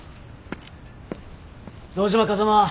堂島風間。